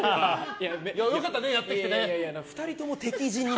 良かったね、やってきてね。